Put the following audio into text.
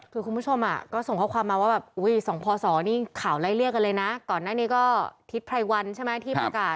คือคุณผู้ชมก็ส่งข้อความมาว่าส่องพสนี่ข่าวไร้เรียกกันเลยนะ